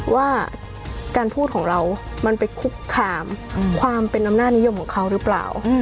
ว่าการพูดของเรามันไปคุกคามความเป็นอำนาจนิยมของเขาหรือเปล่า